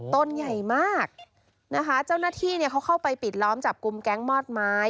ต้นใหญ่มากนะคะเจ้าหน้าที่เนี่ยเขาเข้าไปปิดล้อมจับกลุ่มแก๊งมอดไม้